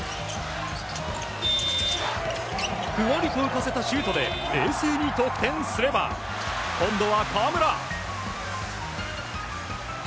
ふわりと浮かせたシュートで冷静に得点すれば今度は河村。